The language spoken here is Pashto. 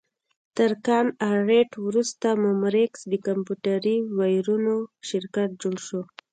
تر کاین ارټ وروسته مموریکس د کمپیوټري وایرونو شرکت جوړ شو.